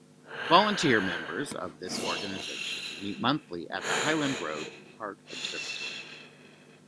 Volunteer members of this organization meet monthly at the Highland Road Park Observatory.